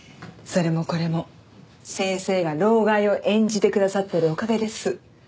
それもこれも先生が老害を演じてくださってるおかげです。